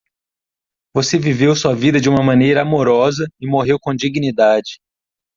Você viveu sua vida de uma maneira amorosa e morreu com dignidade.